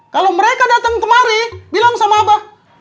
kalau mereka datang kemari bilang sama abah